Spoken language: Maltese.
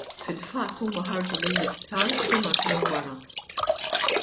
Fil-fatt huma ħarġu mill-isptar ġimagħtejn wara.